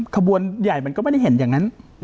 ขบวนใหญ่แบบนั้นมันไม่เห็นอย่างงั้น